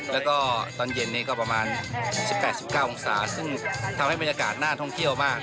แล้วก็ตอนเย็นนี้ก็ประมาณ๑๘๑๙องศาซึ่งทำให้บรรยากาศน่าท่องเที่ยวมาก